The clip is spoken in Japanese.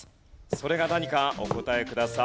それが何かお答えください。